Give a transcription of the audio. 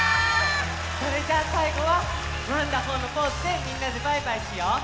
それじゃさいごはワンダホーのポーズでみんなでバイバイしよう！